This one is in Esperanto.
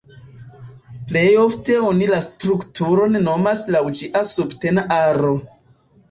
Plej ofte oni la strukturon nomas laŭ ĝia subtena aro.